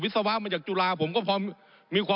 ผมอภิปรายเรื่องการขยายสมภาษณ์รถไฟฟ้าสายสีเขียวนะครับ